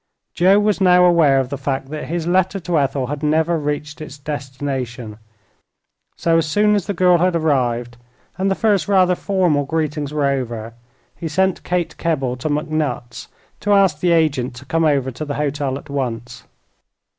Joe was now aware of the fact that his letter to Ethel had never reached its destination, so, as soon as the girl had arrived and the first rather formal greetings were over, he sent Kate Kebble to McNutt's to ask the agent to come over to the hotel at once.